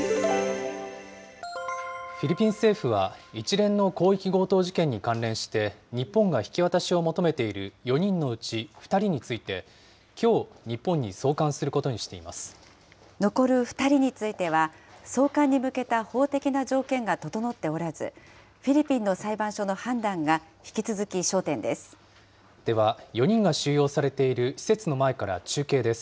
フィリピン政府は、一連の広域強盗事件に関連して、日本が引き渡しを求めている４人のうち２人について、きょう、残る２人については、送還に向けた法的な条件が整っておらず、フィリピンの裁判所の判断が引き続き焦点です。